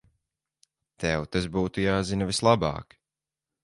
Tev tas būtu jāzina vislabāk.